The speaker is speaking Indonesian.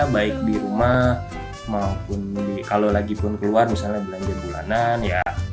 baik di rumah maupun kalau lagi pun keluar misalnya belanja bulanan ya